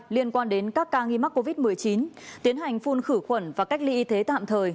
liên quan đến các ca nghi mắc covid một mươi chín tiến hành phun khử khuẩn và cách ly y tế tạm thời